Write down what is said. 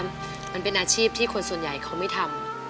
มันเป็นอาชีพที่คนส่วนใหญ่เขาไม่ทำ